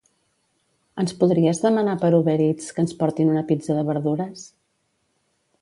Ens podries demanar per Uber Eats que ens portin una pizza de verdures?